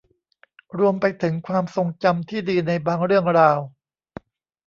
รวมไปถึงความทรงจำที่ดีในบางเรื่องราว